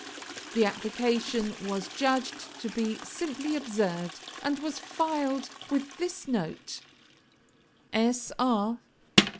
"The application was judged to be simply absurd, and was filed with this note, 'S. R.'